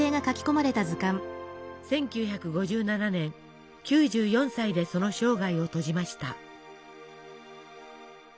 １９５７年９４歳でその生涯を閉じました。